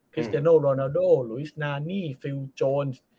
พิสเตียโนโรนาโดลูอิสนานี่ฟิลโจนส์